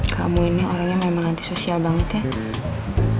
kamu ini orang yang memang anti sosial banget ya